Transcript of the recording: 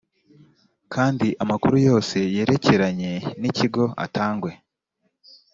kandi amakuru yose yerekeranye n ikigo atangwe